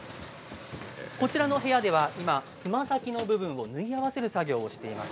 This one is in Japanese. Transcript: こちらの部屋ではつま先の部分を縫い合わせる作業をしています。